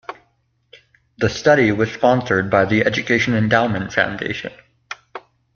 The study was sponsored by the Education Endowment Foundation.